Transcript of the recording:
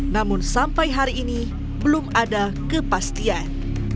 namun sampai hari ini belum ada kepastian